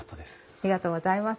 ありがとうございます。